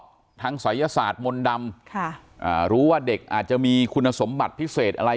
ทางศัยศาสตร์มนต์ดำค่ะอ่ารู้ว่าเด็กอาจจะมีคุณสมบัติพิเศษอะไร